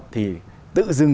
thì tự dưng